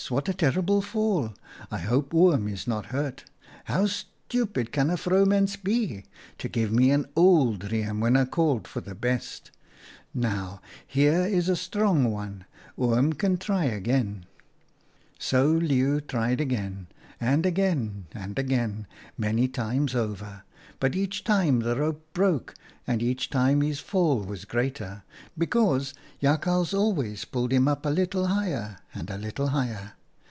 What a terrible fall ! I hope Oom is not hurt. How stupid can a 22 OUTA KAHELS STORIES vrouwmens be ! To give me an old riem when I called for the best ! Now, here is a strong one. Oom can try again.' " So Leeuw tried again, and again, and again, many times over, but each time the rope broke and each time his fall was greater, because Jakhals always pulled him up a little higher, and a little higher.